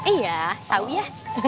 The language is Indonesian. iya tahu ya